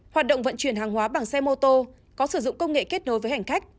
hoạt động vận chuyển hàng hóa bằng xe mô tô có sử dụng công nghệ kết nối với hành khách